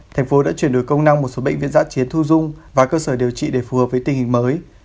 thành phố đã chuyển đổi công năng một số bệnh viện giã chiến thu dung và cơ sở điều trị để phù hợp với tình hình mới